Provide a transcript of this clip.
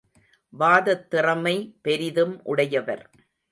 வாதத்திறமை பெரிதும் உடையவர்.